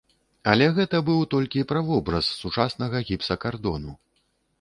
Але гэта быў толькі правобраз сучаснага гіпсакардону.